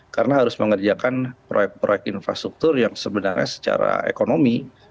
karena harus mengerjakan proyek proyek infrastruktur yang sebenarnya secara ekonomi